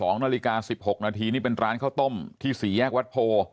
๒นาฬิกา๑๖นาทีนี่เป็นร้านข้าวต้มที่๔แยกวัดโพ